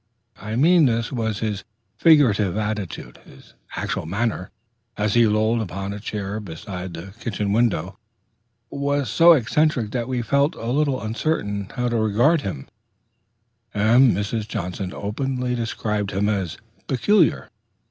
I mean this was his figurative attitude; his actual manner, as he lolled upon a chair beside the kitchen window, was so eccentric that we felt a little uncertain how to regard him, and Mrs. Johnson openly described him as peculiar.